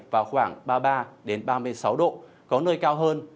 vào khoảng ba mươi ba ba mươi sáu độ có nơi cao hơn